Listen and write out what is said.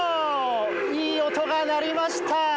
いい音が鳴りました。